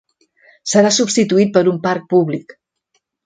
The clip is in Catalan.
Serà substituït per un parc públic.